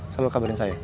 selalu kabarin saya